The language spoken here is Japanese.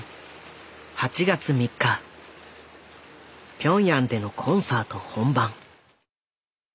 ピョンヤンでのコンサート本番。